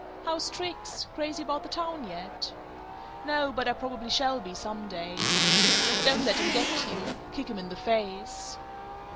"How's tricks? Crazy about the town yet?" "No, but I probably shall be, some day." "Don't let 'em get you. Kick 'em in the face!"